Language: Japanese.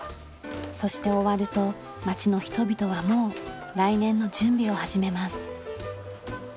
そして終わると町の人々はもう来年の準備を始めます。